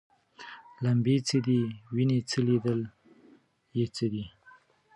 لمبې څه دي ویني څه لیدل یې څه دي